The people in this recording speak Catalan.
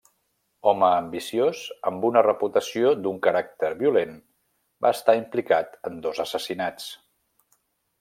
Home ambiciós, amb una reputació d'un caràcter violent, va estar implicat en dos assassinats.